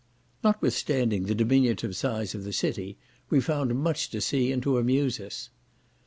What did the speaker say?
Notwithstanding the diminutive size of the city, we found much to see, and to amuse us.